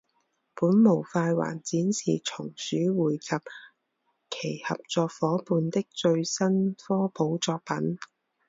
本模块还展示松鼠会及其合作伙伴的最新科普作品。